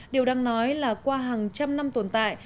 điều đang nói là qua hàng trăm năm tồn tại